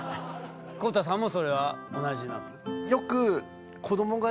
公太さんもそれは同じなの？